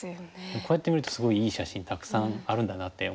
こうやって見るとすごいいい写真たくさんあるんだなって思いました。